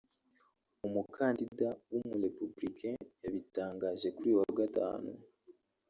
umukandida w’umu-Republicain yabitangaje kuri uyu wa Gatanu